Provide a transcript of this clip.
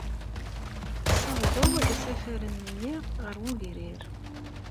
Tessawḍeḍ isafaren-nni ɣer wegrir.